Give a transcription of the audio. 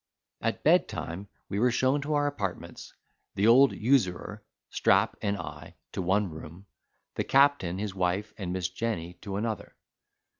At bedtime we were shown to our apartments; the old usurer, Strap, and I, to one room; the captain, his wife, and Miss Jenny, to another.